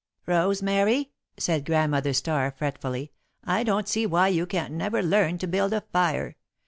"Rosemary," said Grandmother Starr, fretfully, "I don't see why you can't never learn to build a fire.